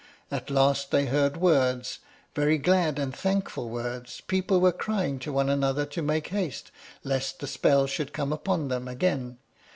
At last they heard words, very glad and thankful words; people were crying to one another to make haste, lest the spell should come upon them again.